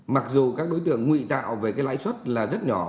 mặc dù các đối tượng nguy tạo về cái lãi suất là rất nhỏ